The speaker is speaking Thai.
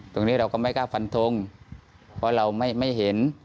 ตรงนี้เราก็ไม่กล้าฟันทงเพราะเราไม่เห็น